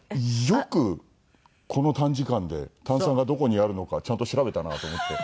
よくこの短時間で炭酸がどこにあるのかちゃんと調べたなと思って。